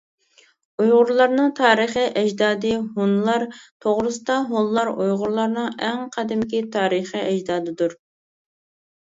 ئۇيغۇرلارنىڭ تارىخىي ئەجدادى ھونلار توغرىسىدا ھونلار ئۇيغۇرلارنىڭ ئەڭ قەدىمىكى تارىخىي ئەجدادىدۇر.